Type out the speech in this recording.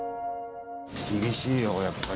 厳しいよ、やっぱり。